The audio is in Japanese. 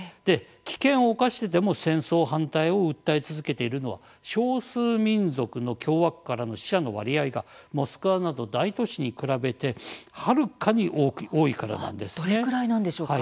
危険を冒してでも戦争反対を訴え続けているのは少数民族の共和国からの死者の割合がモスクワなど大都市に比べてどれくらいなんでしょうか。